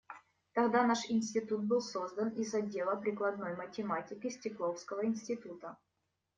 Тогда наш институт был создан из отдела прикладной математики Стекловского института.